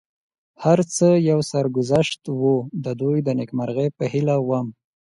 هر څه یو سرګذشت و، د دوی د نېکمرغۍ په هیله ووم.